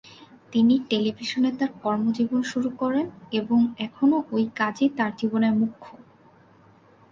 তিনি টেলিভিশনে তার কর্মজীবন শুরু করেন এবং এখনো ঐ কাজই তার জীবনে মুখ্য।